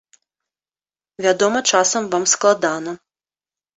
Вядома, часам вам складана.